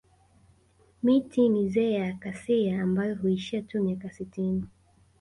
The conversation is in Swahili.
Miti mizee ya Acacia ambayo huishi tu miaka sitini